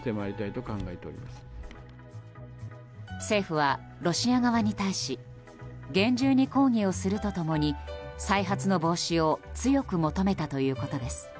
政府はロシア側に対し厳重に抗議をすると共に再発の防止を強く求めたということです。